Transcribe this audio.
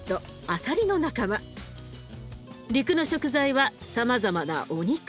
陸の食材はさまざまなお肉。